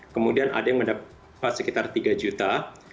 kemudian ada yang mendapat sekitar tiga juta